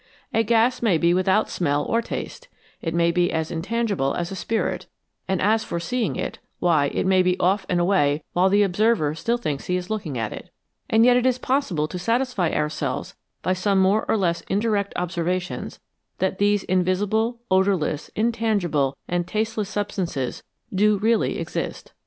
A gas may be without smell or taste, it may be as intangible as a spirit, and as for seeing it, why, it may be off and away while the observer still thinks he is looking at it. And yet it is possible to satisfy ourselves by some more or less indirect observations that these invisible, odourless, in tangible, and tasteless substances do really exist.